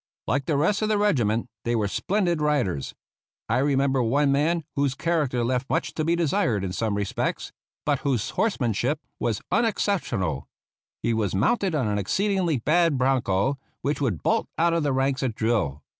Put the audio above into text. Like the rest of the regiment, they were splendid riders. I remember one man, whose character left much to be desired in some respects, but whose horsemanship was unexceptionable. He was mounted on an exceedingly bad bronco, which would bolt out of the ranks at drill.